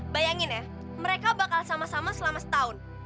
bayangin ya mereka bakal sama sama selama setahun